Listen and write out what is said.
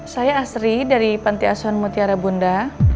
saya asri dari panti asuhan mutiara bunda